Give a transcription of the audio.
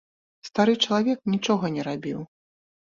Стары чалавек нічога не рабіў.